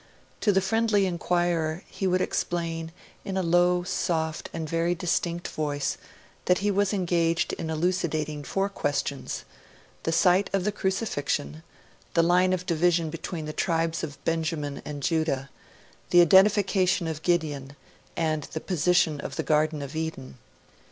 To the friendly inquirer, he would explain, in a row, soft, and very distinct voice, that he was engaged in elucidating four questions the site of the Crucifixion, the line of division between the tribes of Benjamin and Judah, the identification of Gideon, and the position of the Garden of Eden.